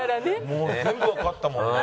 もう全部わかったもんね。